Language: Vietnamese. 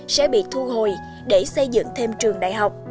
sẽ bị thu hồi để xây dựng thêm trường đại học